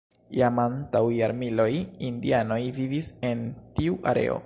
Jam antaŭ jarmiloj indianoj vivis en tiu areo.